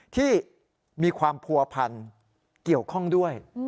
ที่มีความผัวพันธ์เกี่ยวข้องด้วย